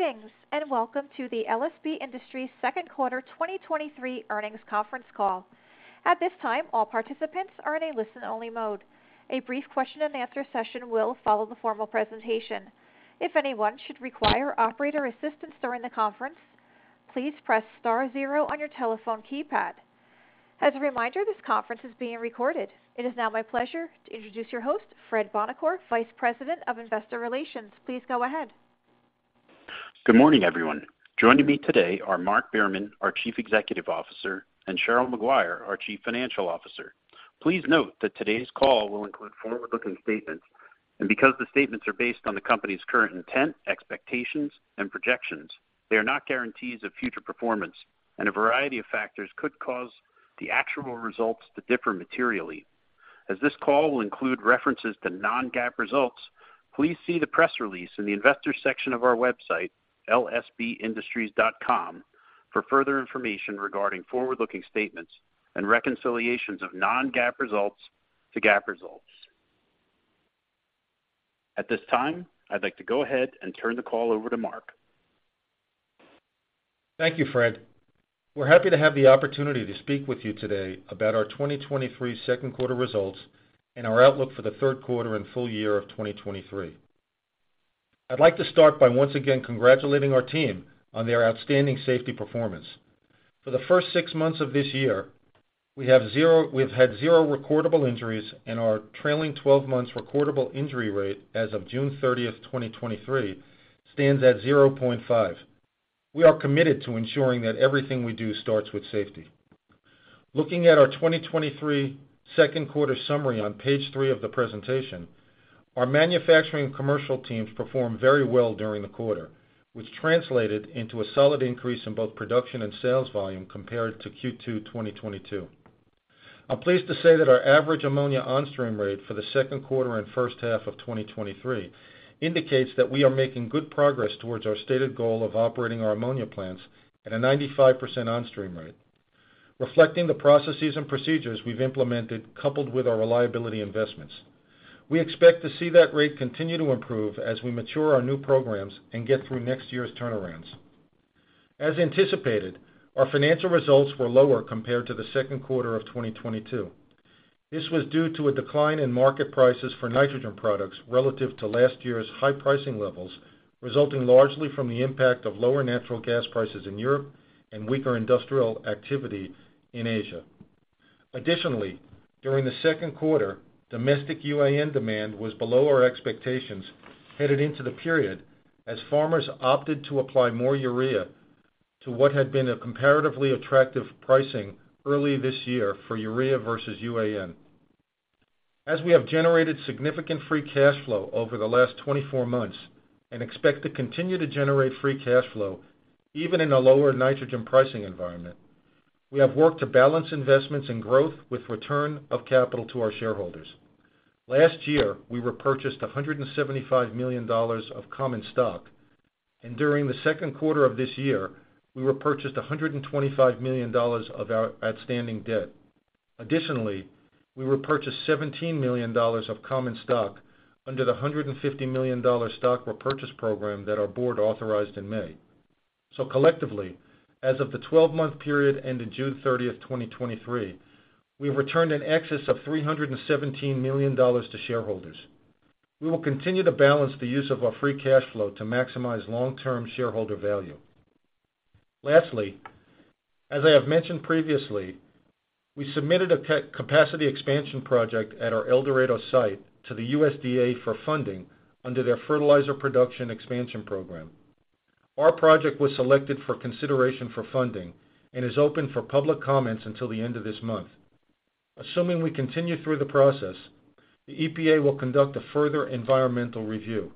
Greetings, welcome to the LSB Industries' Q2 2023 earnings conference call. At this time, all participants are in a listen-only mode. A brief question and answer session will follow the formal presentation. If anyone should require operator assistance during the conference, please press star zero on your telephone keypad. As a reminder, this conference is being recorded. It is now my pleasure to introduce your host, Fred Buonocore, Vice President of Investor Relations. Please go ahead. Good morning, everyone. Joining me today are Mark Behrman, our Chief Executive Officer, and Cheryl Maguire, our Chief Financial Officer. Please note that today's call will include forward-looking statements, and because the statements are based on the company's current intent, expectations, and projections, they are not guarantees of future performance. A variety of factors could cause the actual results to differ materially. As this call will include references to non-GAAP results, please see the press release in the investor section of our website, lsbindustries.com, for further information regarding forward-looking statements and reconciliations of non-GAAP results to GAAP results. At this time, I'd like to go ahead and turn the call over to Mark. Thank you, Fred. We're happy to have the opportunity to speak with you today about our 2023 Q2 results and our outlook for the Q3 and full year of 2023. I'd like to start by once again congratulating our team on their outstanding safety performance. For the first six months of this year, we've had 0 recordable injuries and our trailing 12 months recordable injury rate as of June 30th, 2023, stands at 0.5. We are committed to ensuring that everything we do starts with safety. Looking at our 2023 Q2 summary on page 3 of the presentation, our manufacturing commercial teams performed very well during the quarter, which translated into a solid increase in both production and sales volume compared to Q2 2022. I'm pleased to say that our average ammonia onstream rate for the Q2 and first half of 2023 indicates that we are making good progress towards our stated goal of operating our ammonia plants at a 95% onstream rate, reflecting the processes and procedures we've implemented, coupled with our reliability investments. We expect to see that rate continue to improve as we mature our new programs and get through next year's turnarounds. As anticipated, our financial results were lower compared to the Q2 of 2022. This was due to a decline in market prices for nitrogen products relative to last year's high pricing levels, resulting largely from the impact of lower natural gas prices in Europe and weaker industrial activity in Asia. Additionally, during the Q2, domestic UAN demand was below our expectations headed into the period, as farmers opted to apply more urea to what had been a comparatively attractive pricing early this year for urea versus UAN. We have generated significant free cash flow over the last 24 months and expect to continue to generate free cash flow even in a lower nitrogen pricing environment, we have worked to balance investments in growth with return of capital to our shareholders. Last year, we repurchased $175 million of common stock, and during the 2Q of this year, we repurchased $125 million of our outstanding debt. Additionally, we repurchased $17 million of common stock under the $150 million stock repurchase program that our board authorized in May. Collectively, as of the 12-month period ended June 30, 2023, we've returned in excess of $317 million to shareholders. We will continue to balance the use of our free cash flow to maximize long-term shareholder value. Lastly, as I have mentioned previously, we submitted a capacity expansion project at our El Dorado site to the USDA for funding under their Fertilizer Production Expansion Program. Our project was selected for consideration for funding and is open for public comments until the end of this month. Assuming we continue through the process, the EPA will conduct a further environmental review.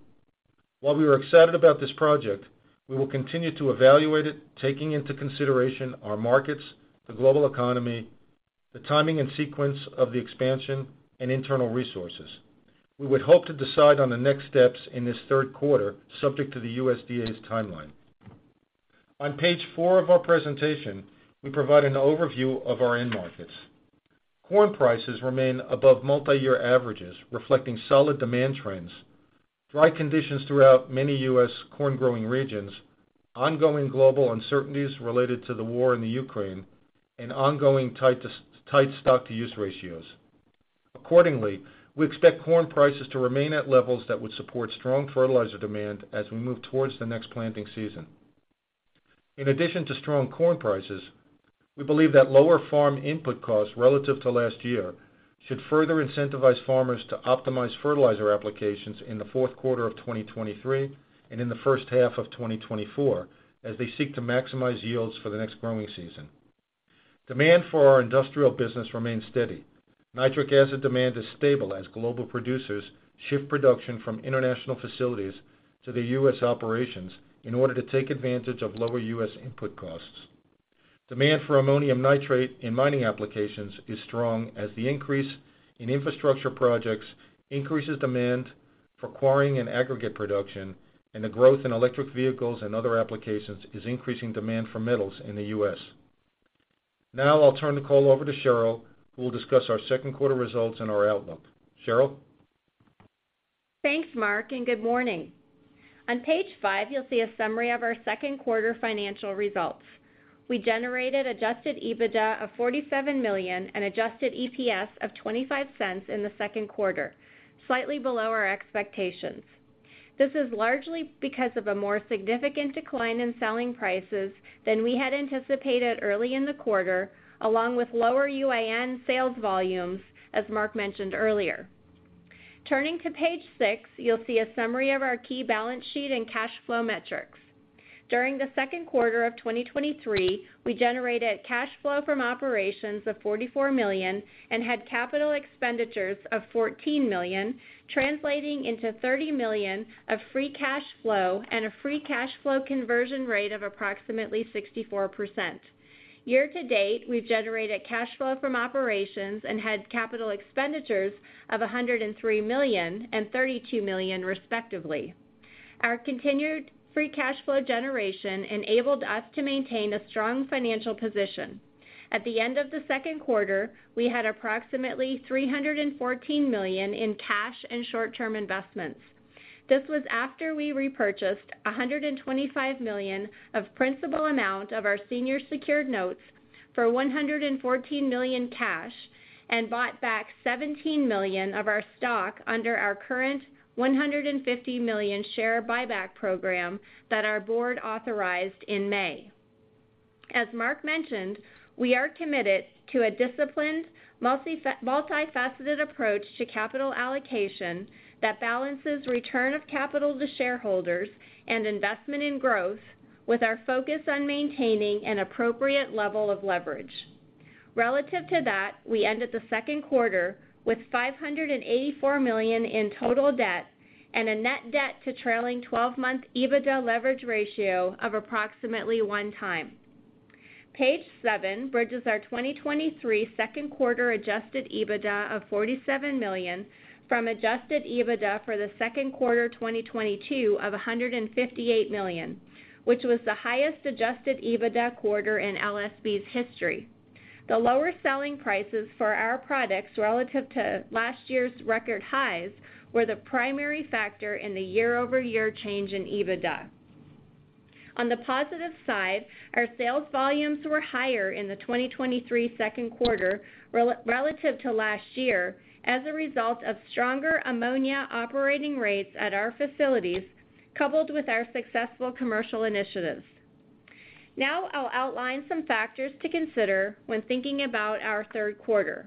While we are excited about this project, we will continue to evaluate it, taking into consideration our markets, the global economy, the timing and sequence of the expansion, and internal resources. We would hope to decide on the next steps in this Q3, subject to the USDA's timeline. On page 4 of our presentation, we provide an overview of our end markets. Corn prices remain above multiyear averages, reflecting solid demand trends, dry conditions throughout many U.S. corn-growing regions, ongoing global uncertainties related to the war in Ukraine, and ongoing tight stocks-to-use ratios. Accordingly, we expect corn prices to remain at levels that would support strong fertilizer demand as we move towards the next planting season. In addition to strong corn prices, we believe that lower farm input costs relative to last year should further incentivize farmers to optimize fertilizer applications in the Q4 of 2023 and in the first half of 2024, as they seek to maximize yields for the next growing season. Demand for our industrial business remains steady. Nitric acid demand is stable as global producers shift production from international facilities to the US operations in order to take advantage of lower US input costs. Demand for ammonium nitrate in mining applications is strong, as the increase in infrastructure projects increases demand for quarrying and aggregate production, and the growth in electric vehicles and other applications is increasing demand for metals in the US. Now I'll turn the call over to Cheryl, who will discuss our Q2 results and our outlook. Cheryl? Thanks, Mark, and good morning. On page 5, you'll see a summary of our Q2 financial results. We generated adjusted EBITDA of $47 million and adjusted EPS of $0.25 in the Q2, slightly below our expectations. This is largely because of a more significant decline in selling prices than we had anticipated early in the quarter, along with lower UAN sales volumes, as Mark mentioned earlier. Turning to page 6, you'll see a summary of our key balance sheet and cash flow metrics. During the Q2 of 2023, we generated cash flow from operations of $44 million and had capital expenditures of $14 million, translating into $30 million of free cash flow and a free cash flow conversion rate of approximately 64%. Year to date, we've generated cash flow from operations and had capital expenditures of $103 million and $32 million, respectively. Our continued free cash flow generation enabled us to maintain a strong financial position. At the end of the Q2, we had approximately $314 million in cash and short-term investments. This was after we repurchased $125 million of principal amount of our senior secured notes for $114 million cash and bought back $17 million of our stock under our current $150 million share buyback program that our board authorized in May. As Mark mentioned, we are committed to a disciplined, multifaceted approach to capital allocation that balances return of capital to shareholders and investment in growth, with our focus on maintaining an appropriate level of leverage. Relative to that, we ended the Q2 with $584 million in total debt and a net debt to trailing 12-month EBITDA leverage ratio of approximately 1 time. Page 7 bridges our 2023 Q2 adjusted EBITDA of $47 million from adjusted EBITDA for the Q2 2022 of $158 million, which was the highest adjusted EBITDA quarter in LSB's history. The lower selling prices for our products relative to last year's record highs were the primary factor in the year-over-year change in EBITDA. On the positive side, our sales volumes were higher in the 2023 Q2 relative to last year as a result of stronger ammonia operating rates at our facilities, coupled with our successful commercial initiatives. I'll outline some factors to consider when thinking about our Q3.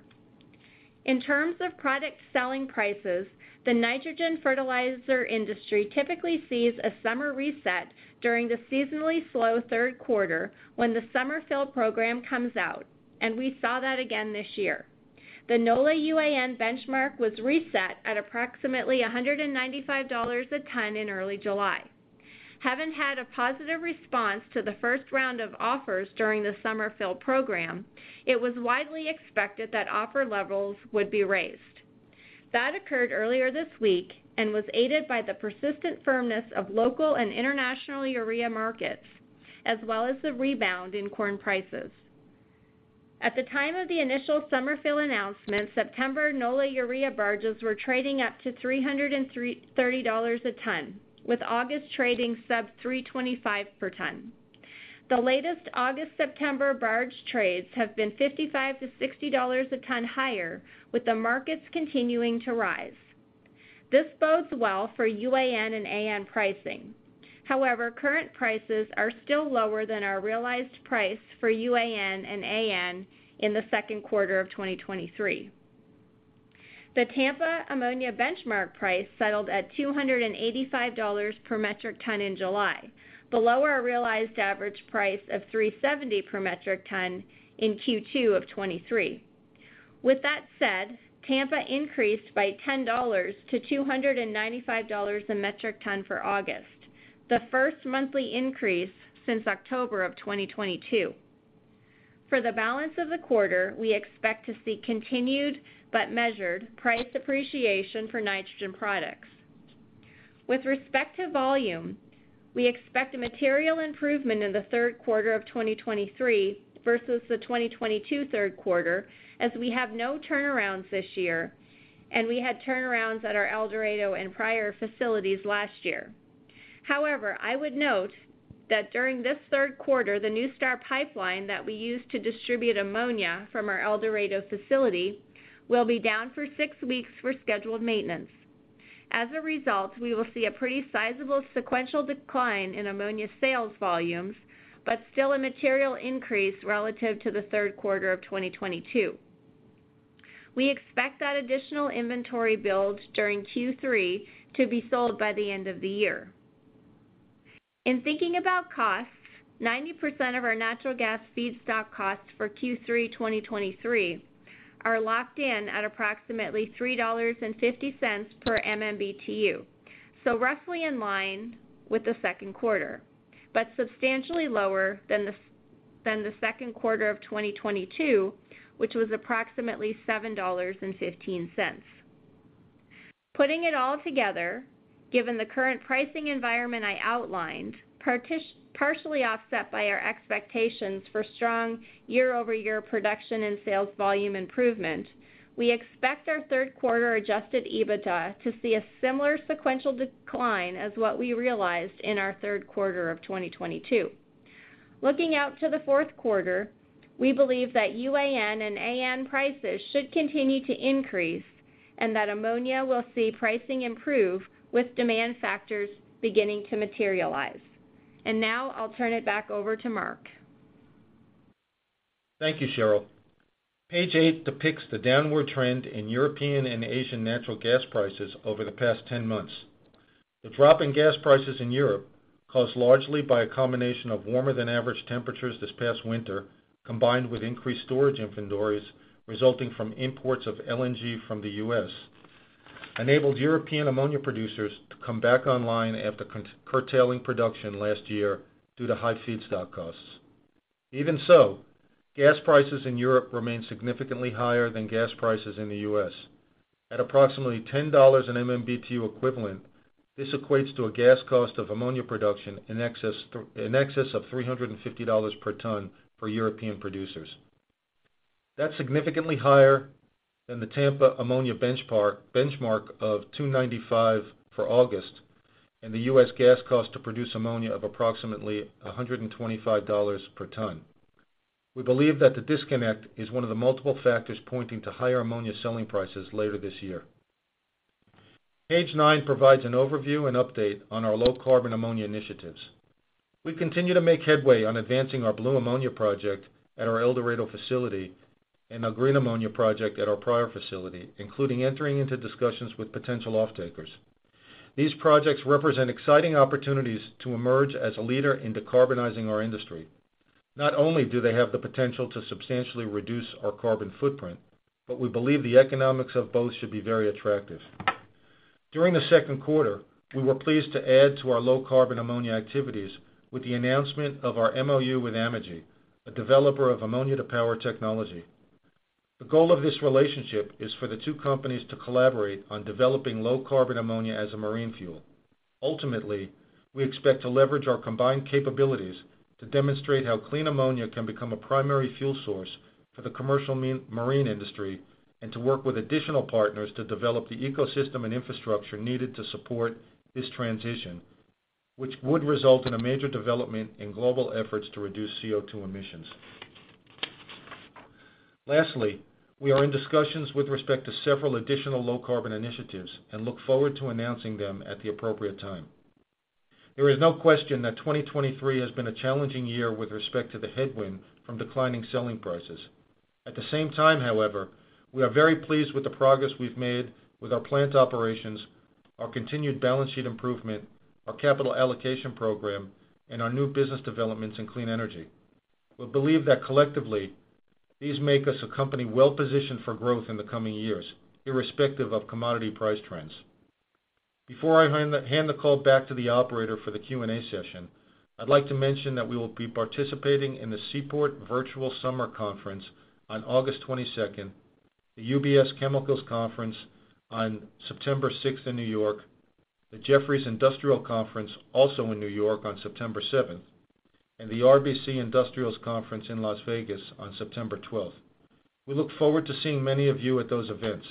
In terms of product selling prices, the nitrogen fertilizer industry typically sees a summer reset during the seasonally slow Q3 when the summer fill program comes out. We saw that again this year. The NOLA UAN benchmark was reset at approximately $195 a ton in early July. Having had a positive response to the first round of offers during the summer fill program, it was widely expected that offer levels would be raised. That occurred earlier this week and was aided by the persistent firmness of local and international urea markets, as well as the rebound in corn prices. At the time of the initial summer fill announcement, September NOLA urea barges were trading up to $303.30 a ton, with August trading sub $325 per ton. The latest August, September barge trades have been $55 to $60 a ton higher, with the markets continuing to rise. This bodes well for UAN and AN pricing. However, current prices are still lower than our realized price for UAN and AN in the Q2 of 2023. The Tampa ammonia benchmark price settled at $285 per metric ton in July, below our realized average price of $370 per metric ton in Q2 of 2023. Tampa increased by $10 to $295 a metric ton for August, the first monthly increase since October of 2022. For the balance of the quarter, we expect to see continued but measured price appreciation for nitrogen products. With respect to volume, we expect a material improvement in the Q3 of 2023 versus the 2022 Q3, as we have no turnarounds this year, and we had turnarounds at our El Dorado and Pryor facilities last year. I would note that during this Q3, the NuStar pipeline that we use to distribute ammonia from our El Dorado facility will be down for six weeks for scheduled maintenance. We will see a pretty sizable sequential decline in ammonia sales volumes, but still a material increase relative to the Q3 of 2022. We expect that additional inventory build during Q3 to be sold by the end of the year. In thinking about costs, 90% of our natural gas feedstock costs for Q3 2023 are locked in at approximately $3.50 per MMBTU, so roughly in line with the Q2, but substantially lower than the Q2 of 2022, which was approximately $7.15. Putting it all together, given the current pricing environment I outlined, partially offset by our expectations for strong year-over-year production and sales volume improvement, we expect our Q3 adjusted EBITDA to see a similar sequential decline as what we realized in our Q3 of 2022. Looking out to the Q4, we believe that UAN and AN prices should continue to increase and that ammonia will see pricing improve with demand factors beginning to materialize. Now I'll turn it back over to Mark. Thank you, Cheryl. Page eight depicts the downward trend in European and Asian natural gas prices over the past 10 months. The drop in gas prices in Europe, caused largely by a combination of warmer-than-average temperatures this past winter, combined with increased storage inventories resulting from imports of LNG from the U.S., enabled European ammonia producers to come back online after curtailing production last year due to high feedstock costs. Gas prices in Europe remain significantly higher than gas prices in the U.S. At approximately $10 in MMBtu equivalent, this equates to a gas cost of ammonia production in excess of $350 per tonne for European producers. That's significantly higher than the Tampa ammonia benchmark of $295 for August, and the U.S. gas cost to produce ammonia of approximately $125 per tonne. We believe that the disconnect is one of the multiple factors pointing to higher ammonia selling prices later this year. Page 9 provides an overview and update on our low carbon ammonia initiatives. We continue to make headway on advancing our blue ammonia project at our El Dorado facility and our green ammonia project at our Pryor facility, including entering into discussions with potential off-takers. These projects represent exciting opportunities to emerge as a leader in decarbonizing our industry. Not only do they have the potential to substantially reduce our carbon footprint, but we believe the economics of both should be very attractive. During the Q2, we were pleased to add to our low carbon ammonia activities with the announcement of our MOU with Amogy, a developer of ammonia-to-power technology. The goal of this relationship is for the two companies to collaborate on developing low carbon ammonia as a marine fuel. Ultimately, we expect to leverage our combined capabilities to demonstrate how clean ammonia can become a primary fuel source for the commercial marine industry, and to work with additional partners to develop the ecosystem and infrastructure needed to support this transition, which would result in a major development in global efforts to reduce CO₂ emissions. We are in discussions with respect to several additional low carbon initiatives and look forward to announcing them at the appropriate time. There is no question that 2023 has been a challenging year with respect to the headwind from declining selling prices. At the same time, however, we are very pleased with the progress we've made with our plant operations, our continued balance sheet improvement, our capital allocation program, and our new business developments in clean energy. We believe that collectively, these make us a company well positioned for growth in the coming years, irrespective of commodity price trends. Before I hand the call back to the operator for the Q&A session, I'd like to mention that we will be participating in the Seaport Virtual Summer Conference on August 22nd, the UBS Chemicals Conference on September 6th in New York, the Jefferies Industrials Conference, also in New York, on September 7th, and the RBC Industrials Conference in Las Vegas on September 12th. We look forward to seeing many of you at those events.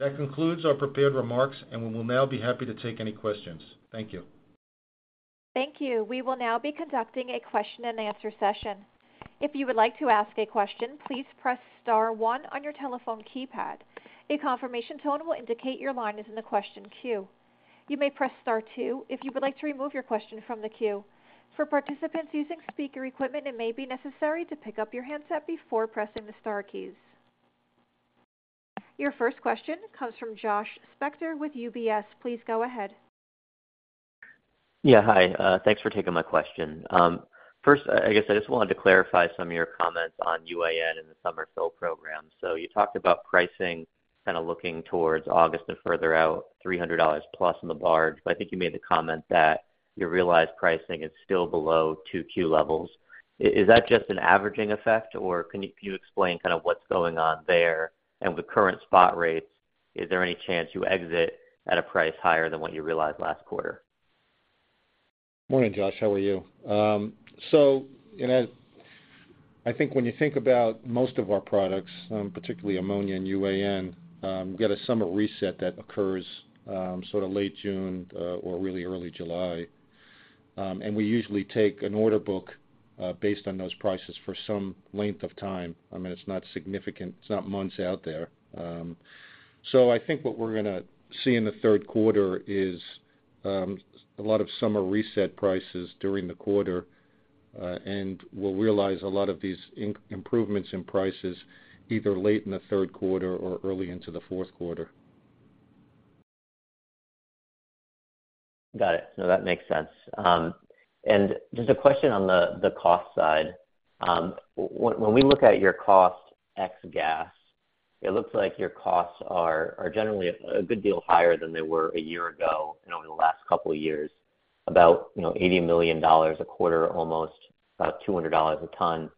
That concludes our prepared remarks, and we will now be happy to take any questions. Thank you. Thank you. We will now be conducting a question-and-answer session. If you would like to ask a question, please press star one on your telephone keypad. A confirmation tone will indicate your line is in the question queue. You may press star two if you would like to remove your question from the queue. For participants using speaker equipment, it may be necessary to pick up your handset before pressing the star keys. Your first question comes from Josh Spector with UBS. Please go ahead. Hi, thanks for taking my question. First, I guess I just wanted to clarify some of your comments on UAN and the summer fill program. You talked about pricing kind of looking towards August and further out, $300 plus on the barge, I think you made the comment that your realized pricing is still below 2Q levels. Is that just an averaging effect, or can you explain kind of what's going on there? With the current spot rates, is there any chance you exit at a price higher than what you realized last quarter? Morning, Josh, how are you? You know, I think when you think about most of our products, particularly ammonia and UAN, we've got a summer reset that occurs sort of late June or really early July. We usually take an order book based on those prices for some length of time. I mean, it's not significant. It's not months out there. I think what we're gonna see in the Q3 is a lot of summer reset prices during the quarter, we'll realize a lot of these improvements in prices either late in the Q3 or early into the Q4. Got it. No, that makes sense. Just a question on the cost side. When we look at your cost ex gas, it looks like your costs are generally a good deal higher than they were a year ago and over the last couple of years, about, you know, $80 million a quarter, almost about $200 a tonne.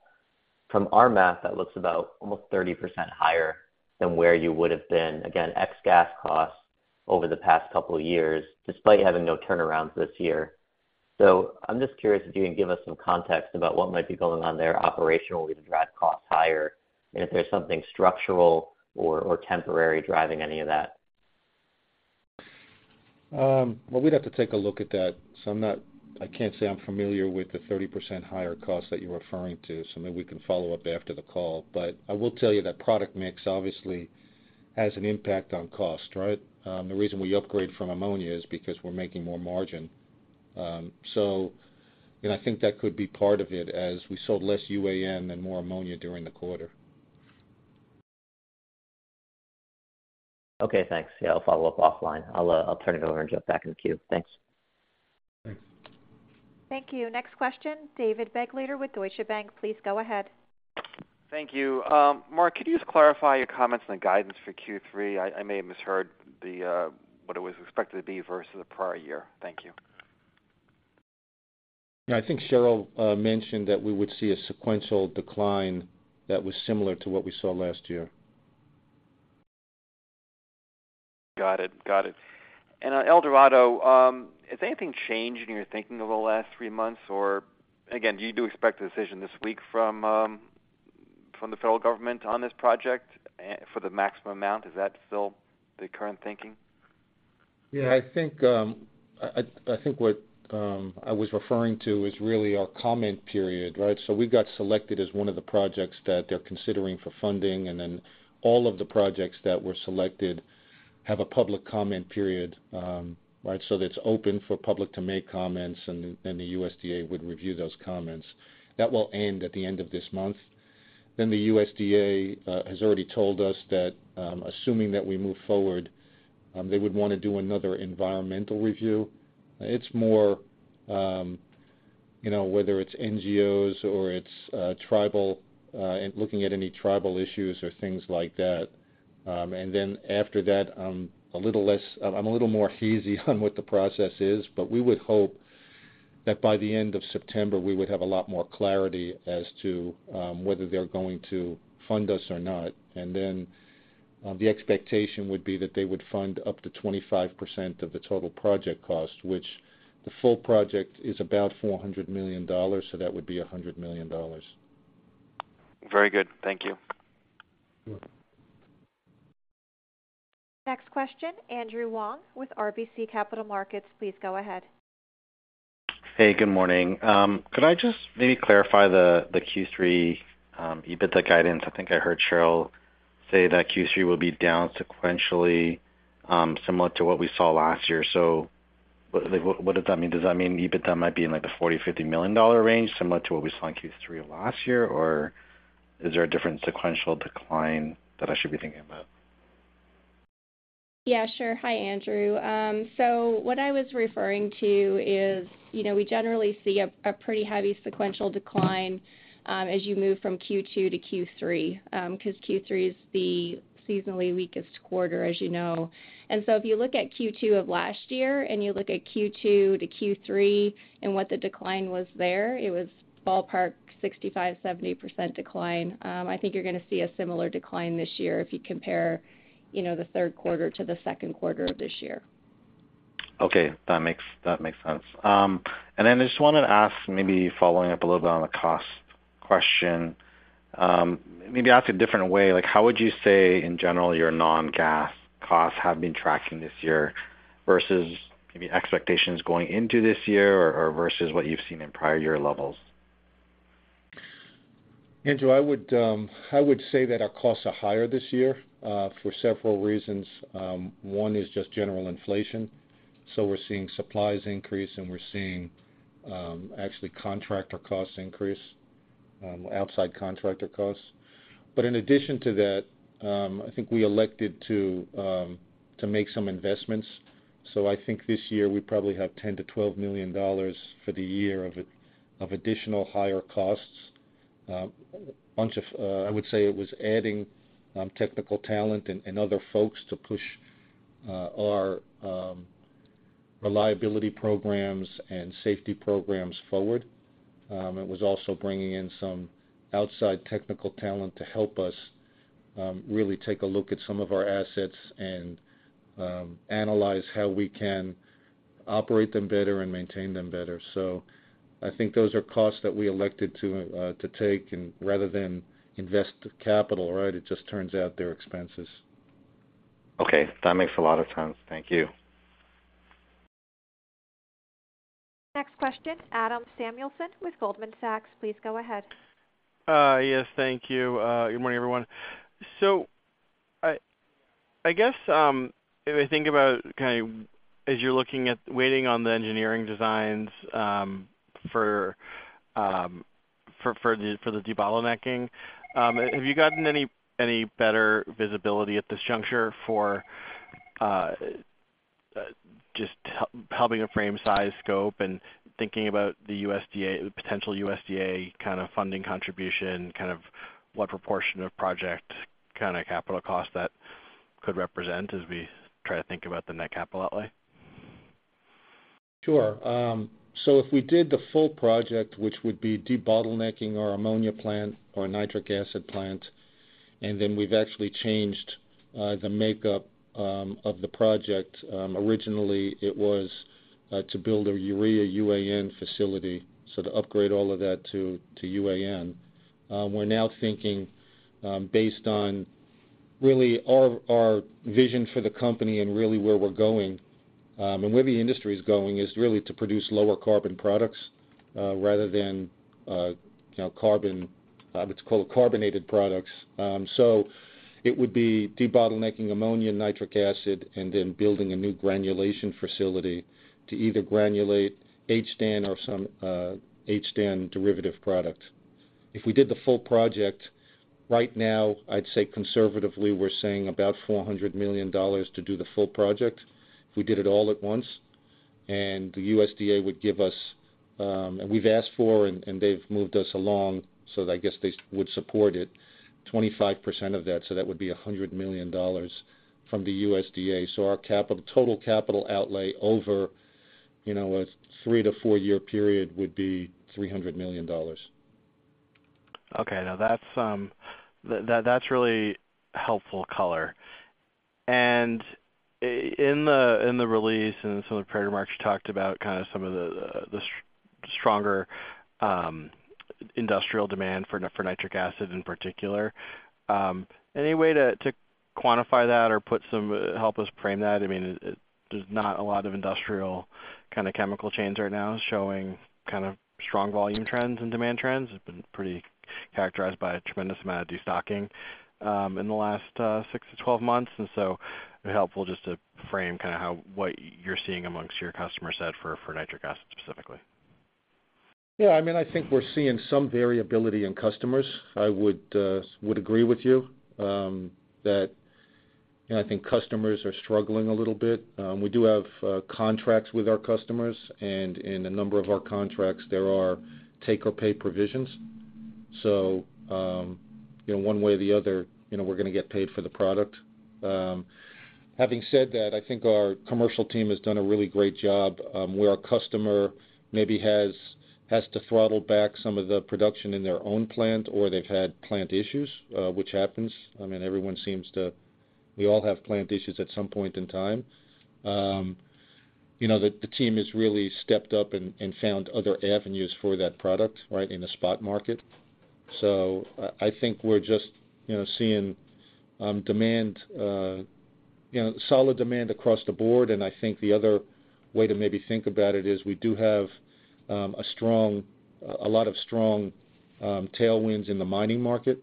From our math, that looks about almost 30% higher than where you would have been, again, ex gas costs over the past couple of years, despite having no turnarounds this year. I'm just curious if you can give us some context about what might be going on there operationally to drive costs higher, and if there's something structural or temporary driving any of that? Well, we'd have to take a look at that. I can't say I'm familiar with the 30% higher cost that you're referring to, so maybe we can follow up after the call. I will tell you that product mix obviously has an impact on cost, right? The reason we upgrade from ammonia is because we're making more margin. You know, I think that could be part of it, as we sold less UAN and more ammonia during the quarter. Okay, thanks. Yeah, I'll follow up offline. I'll, I'll turn it over and jump back in the queue. Thanks. Thanks. Thank you. Next question, David Begleiter with Deutsche Bank. Please go ahead. Thank you. Mark, could you just clarify your comments and the guidance for Q3? I may have misheard the what it was expected to be versus the prior year. Thank you. Yeah, I think Cheryl mentioned that we would see a sequential decline that was similar to what we saw last year. Got it. Got it. On El Dorado, has anything changed in your thinking over the last three months, or again, do you expect a decision this week from, from the federal government on this project for the maximum amount? Is that still the current thinking? Yeah, I think, I think what I was referring to is really our comment period, right? We got selected as one of the projects that they're considering for funding, and then all of the projects that were selected have a public comment period, right? That's open for public to make comments, and then the USDA would review those comments. That will end at the end of this month. The USDA has already told us that, assuming that we move forward, they would want to do another environmental review. It's more, you know, whether it's NGOs or it's tribal, looking at any tribal issues or things like that. After that, I'm a little more hazy on what the process is, but we would hope that by the end of September, we would have a lot more clarity as to whether they're going to fund us or not. The expectation would be that they would fund up to 25% of the total project cost, which the full project is about $400 million, so that would be $100 million. Very good. Thank you. Yeah. Next question, Andrew Wong with RBC Capital Markets. Please go ahead. Hey, good morning. Could I just maybe clarify the Q3 EBITDA guidance? I think I heard Cheryl say that Q3 will be down sequentially, similar to what we saw last year. What, like, what, what does that mean? Does that mean EBITDA might be in, like, the $40 million-$50 million range, similar to what we saw in Q3 of last year? Or is there a different sequential decline that I should be thinking about? Yeah, sure. Hi, Andrew. What I was referring to is, you know, we generally see a, a pretty heavy sequential decline, as you move from Q2 to Q3, 'cause Q3 is the seasonally weakest quarter, as you know. If you look at Q2 of last year, and you look at Q2 to Q3 and what the decline was there, it was ballpark 65%-70% decline. I think you're gonna see a similar decline this year if you compare, you know, the Q3 to the second quarter of this year. Okay, that makes sense. Then I just wanted to ask, maybe following up a little bit on the cost question, maybe ask a different way. Like, how would you say, in general, your non-gas costs have been tracking this year versus maybe expectations going into this year or, or versus what you've seen in prior year levels? Andrew, I would say that our costs are higher this year for several reasons. One is just general inflation. We're seeing supplies increase, and we're seeing actually contractor costs increase, outside contractor costs. In addition to that, I think we elected to make some investments. I think this year we probably have $10 million-$12 million for the year of it, of additional higher costs. A bunch of, I would say it was adding technical talent and other folks to push our reliability programs and safety programs forward. It was also bringing in some outside technical talent to help us really take a look at some of our assets and analyze how we can operate them better and maintain them better. I think those are costs that we elected to to take and rather than invest the capital, right, it just turns out they're expenses. That makes a lot of sense. Thank you. Next question, Adam Samuelson with Goldman Sachs. Please go ahead. Yes, thank you. Good morning, everyone. I, I guess, if I think about kind of as you're looking at waiting on the engineering designs, for the debottlenecking, have you gotten any better visibility at this juncture for just helping to frame size, scope, and thinking about the USDA, the potential USDA kind of funding contribution, kind of what proportion of project kind of capital costs that could represent as we try to think about the net capital outlay? Sure. If we did the full project, which would be debottlenecking our ammonia plant or nitric acid plant, and then we've actually changed the makeup of the project. Originally, it was to build a urea UAN facility, so to upgrade all of that to UAN. We're now thinking, based on really our vision for the company and really where we're going, and where the industry is going, is really to produce lower carbon products, rather than, you know, carbon, what's called carbonated products. It would be debottlenecking ammonia and nitric acid, and then building a new granulation facility to either granulate HDAN or some HDAN derivative product. If we did the full project, right now, I'd say conservatively, we're saying about $400 million to do the full project. If we did it all at once, the USDA would give us, and we've asked for, and they've moved us along, I guess they would support it, 25% of that. That would be $100 million from the USDA. Our total capital outlay over, you know, a three to four-year period would be $300 million. Okay. Now that's really helpful color. In the release and some of the prepared remarks, you talked about kind of some of the stronger industrial demand for nitric acid in particular. Any way to quantify that or help us frame that? I mean, there's not a lot of industrial kind of chemical chains right now showing kind of strong volume trends and demand trends. It's been pretty characterized by a tremendous amount of destocking, in the last six to 12 months. It'd be helpful just to frame kind of how, what you're seeing amongst your customer set for nitric acid, specifically. Yeah, I mean, I think we're seeing some variability in customers. I would agree with you, that, you know, I think customers are struggling a little bit. We do have contracts with our customers, and in a number of our contracts, there are take or pay provisions. You know, one way or the other, you know, we're gonna get paid for the product. Having said that, I think our commercial team has done a really great job. Where our customer maybe has to throttle back some of the production in their own plant, or they've had plant issues, which happens. I mean, we all have plant issues at some point in time. You know, the team has really stepped up and found other avenues for that product, right, in the spot market. I think we're just, you know, seeing, you know, solid demand across the board. I think the other way to maybe think about it is we do have a lot of strong tailwinds in the mining market.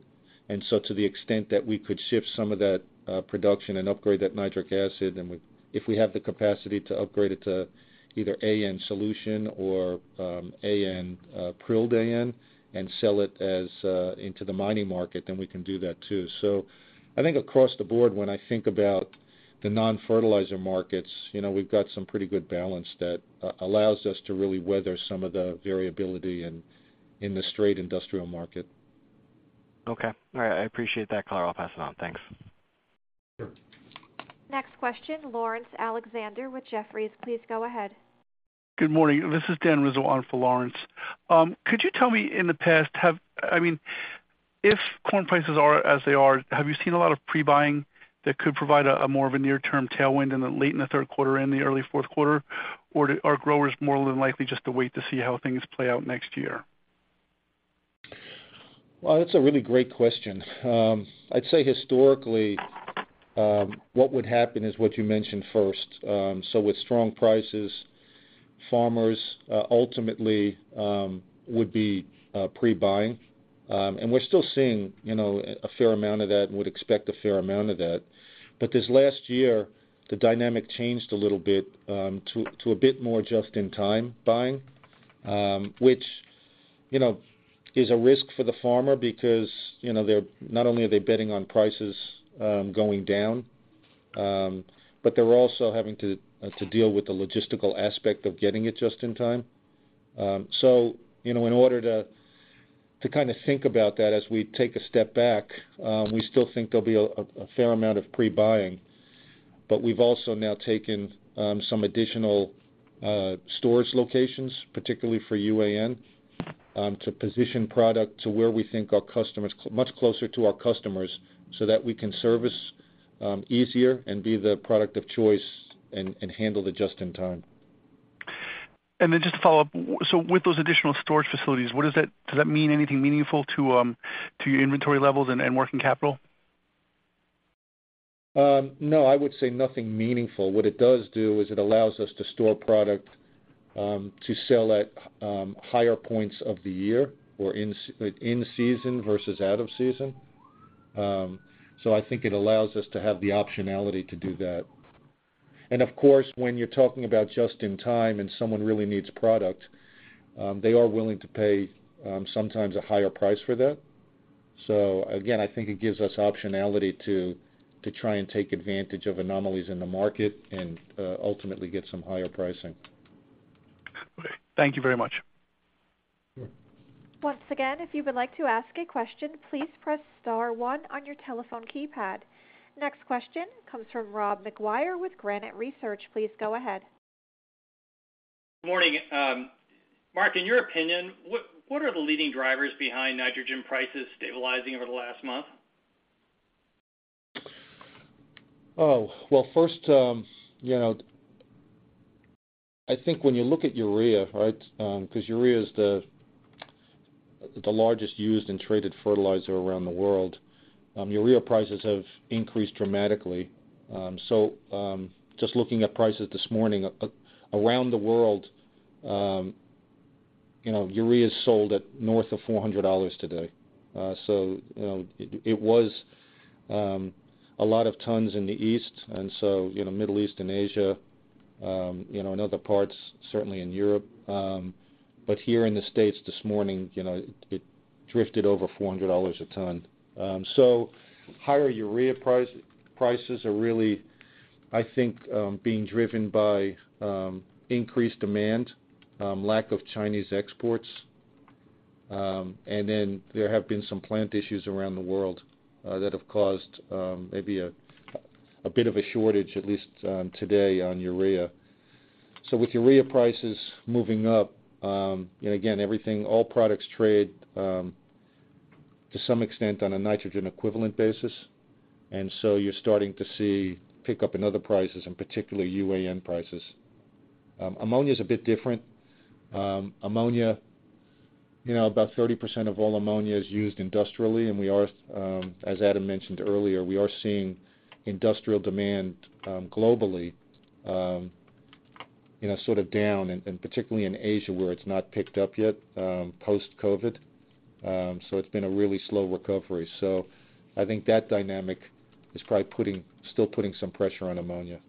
To the extent that we could shift some of that production and upgrade that nitric acid, if we have the capacity to upgrade it to either AN solution or AN, prilled AN, and sell it as into the mining market, then we can do that, too. I think across the board, when I think about the non-fertilizer markets, you know, we've got some pretty good balance that allows us to really weather some of the variability in the straight industrial market. Okay. All right. I appreciate that color. I'll pass it on. Thanks. Sure. Next question, Laurence Alexander with Jefferies, please go ahead. Good morning. This is Daniel Rizzo on for Laurence. Could you tell me in the past, I mean, if corn prices are as they are, have you seen a lot of pre-buying that could provide a, a more of a near-term tailwind in the late, in the Q3 and the early Q4? Or are growers more than likely just to wait to see how things play out next year? Well, that's a really great question. I'd say historically, what would happen is what you mentioned first. With strong prices, farmers, ultimately, would be pre-buying. We're still seeing, you know, a fair amount of that and would expect a fair amount of that. This last year, the dynamic changed a little bit, to a bit more just-in-time buying, which, you know, is a risk for the farmer because, you know, they're not only are they betting on prices going down, but they're also having to deal with the logistical aspect of getting it just in time. You know, in order to kind of think about that as we take a step back, we still think there'll be a fair amount of pre-buying, but we've also now taken some additional storage locations, particularly for UAN, to position product to where we think much closer to our customers, so that we can service easier and be the product of choice and handle the just in time. Just to follow up, so with those additional storage facilities, what does that mean anything meaningful to your inventory levels and working capital? No, I would say nothing meaningful. What it does do is it allows us to store product to sell at higher points of the year or in season versus out of season. I think it allows us to have the optionality to do that. Of course, when you're talking about just in time and someone really needs product, they are willing to pay sometimes a higher price for that. Again, I think it gives us optionality to try and take advantage of anomalies in the market and ultimately get some higher pricing. Thank you very much. Once again, if you would like to ask a question, please press star one on your telephone keypad. Next question comes from Rob McGuire with Granite Research. Please go ahead. Morning, Mark, in your opinion, what, what are the leading drivers behind nitrogen prices stabilizing over the last month? Well, first, you know, I think when you look at urea, right? Urea is the largest used and traded fertilizer around the world. Urea prices have increased dramatically. Just looking at prices this morning, around the world, you know, urea is sold at north of $400 today. You know, it was a lot of tons in the East, and so, you know, Middle East and Asia, you know, in other parts, certainly in Europe. Here in the States this morning, you know, it drifted over $400 a ton. Higher urea prices are really, I think, being driven by increased demand, lack of Chinese exports. There have been some plant issues around the world that have caused maybe a bit of a shortage, at least today on urea. With urea prices moving up, and again, everything, all products trade to some extent on a nitrogen equivalent basis, you're starting to see pickup in other prices and particularly UAN prices. Ammonia is a bit different. Ammonia, you know, about 30% of all ammonia is used industrially, and we are, as Adam mentioned earlier, we are seeing industrial demand globally, you know, sort of down, and particularly in Asia, where it's not picked up yet, post-COVID. It's been a really slow recovery. I think that dynamic is probably still putting some pressure on ammonia.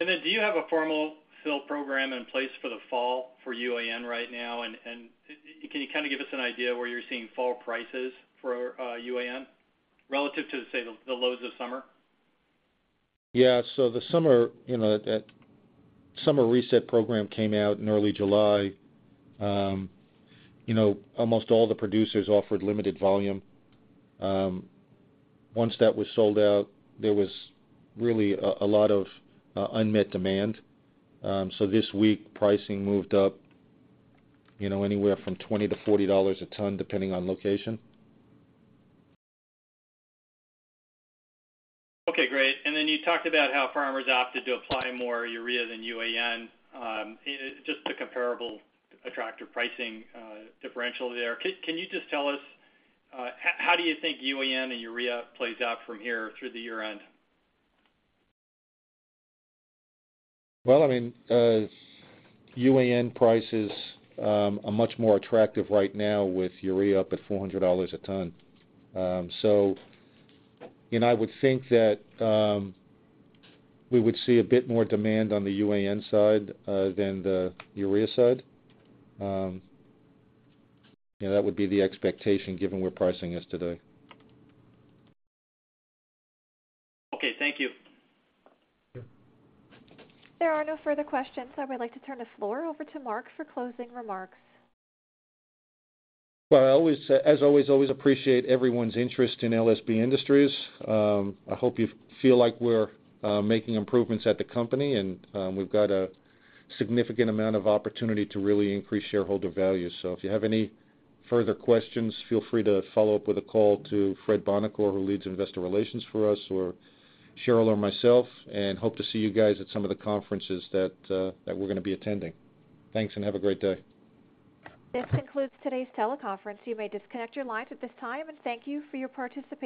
Do you have a formal sale program in place for the fall for UAN right now? Can you kind of give us an idea where you're seeing fall prices for UAN relative to, say, the, the lows of summer? Yeah. The summer, you know, that summer reset program came out in early July. You know, almost all the producers offered limited volume. Once that was sold out, there was really a lot of unmet demand. This week, pricing moved up, you know, anywhere from $20-$40 a ton, depending on location. Okay, great. You talked about how farmers opted to apply more urea than UAN, just the comparable attractive pricing, differential there. Can you just tell us, how do you think UAN and urea plays out from here through the year end? Well, I mean, UAN prices are much more attractive right now with urea up at $400 a ton. I would think that we would see a bit more demand on the UAN side than the urea side. You know, that would be the expectation, given where pricing is today. Okay, thank you. Yeah. There are no further questions. I would like to turn the floor over to Mark for closing remarks. I always, as always, appreciate everyone's interest in LSB Industries. I hope you feel like we're making improvements at the company, and we've got a significant amount of opportunity to really increase shareholder value. If you have any further questions, feel free to follow up with a call to Fred Buonocore, who leads investor relations for us, or Cheryl or myself, and hope to see you guys at some of the conferences that we're going to be attending. Thanks, and have a great day. This concludes today's teleconference. You may disconnect your lines at this time, and thank you for your participation.